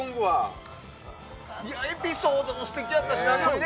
エピソードも素敵やったしね。